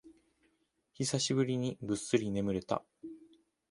久しぶりにぐっすり眠れた